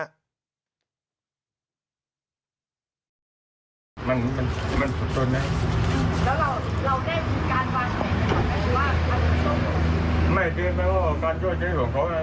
ไม่เดี๋ยวนะว่าการช่วยเฉยของเขาก็นะ